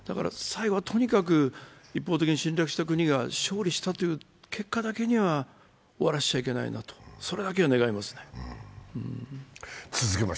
最後はとにかく一方的に侵略した国が勝利したという結果だけには終わらせてはいけないなとそれだけは願いますね。